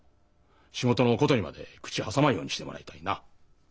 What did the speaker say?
仕事のことにまで口挟まんようにしてもらいたいな。